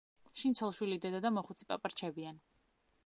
შინ ცოლ-შვილი, დედა და მოხუცი პაპა რჩებიან.